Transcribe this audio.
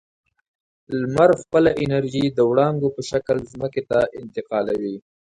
لمر خپله انرژي د وړانګو په شکل ځمکې ته انتقالوي.